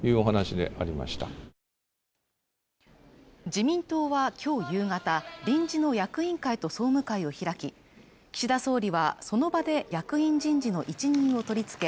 自民党はきょう夕方臨時の役員会と総務会を開き岸田総理はその場で役員人事の一任を取り付け